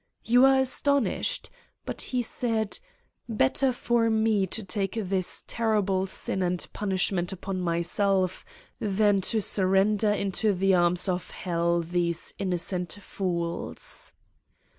You are astonished? But he said: l Better for me to take this terrible sin and punishment upon myself than to surrender into the arms of hell these innocent fools.'